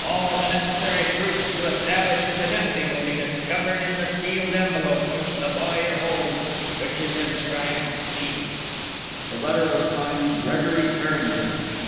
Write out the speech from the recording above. All the necessary proofs to establish his identity will be discovered in the sealed envelope which the lawyer holds, and which is inscribed 'C.'" The letter was signed "Gregory Farrington."